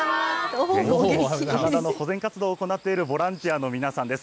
棚田の保全活動を行っているボランティアの皆さんです。